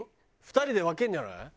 ２人で分けるんじゃない？